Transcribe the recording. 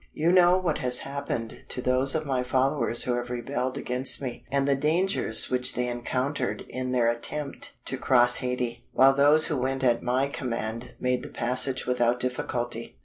You know what has happened to those of my followers who have rebelled against me; and the dangers which they encountered in their attempt to cross Haiti, while those who went at my command made the passage without difficulty.